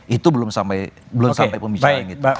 itu belum sampai pemisah